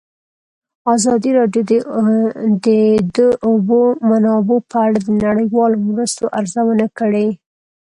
ازادي راډیو د د اوبو منابع په اړه د نړیوالو مرستو ارزونه کړې.